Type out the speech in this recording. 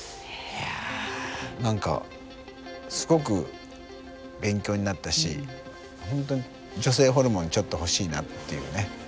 何かすごく勉強になったし本当に女性ホルモンちょっと欲しいなっていうね。